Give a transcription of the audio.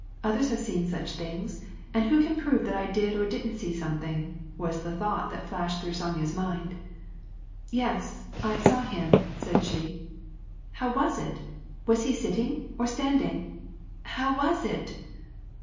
Others have seen such things. And who can prove that I did or didn't see something," was the thought that flashed through Sonya's mind. " Yes, I saw him," said she. "How was it ? was he sitting, or standing? How was it?